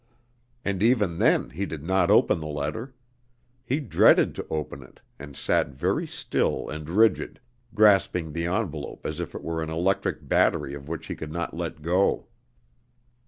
And even then he did not open the letter. He dreaded to open it, and sat very still and rigid, grasping the envelope as if it were an electric battery of which he could not let go.